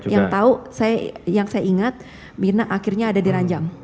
yang tahu yang saya ingat mirna akhirnya ada di ranjang